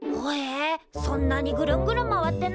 そんなにぐるんぐるん回ってんのか。